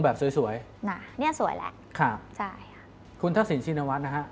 ใช่นี่สวยแล้วค่ะใช่คุณทักศิลป์ชินวัตรนะฮะ